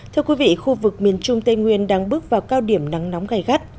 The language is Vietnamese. thưa quý vị khu vực miền trung tây nguyên đang bước vào cao điểm nắng nóng gai gắt